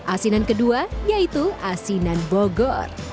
asinan kedua yaitu asinan bogor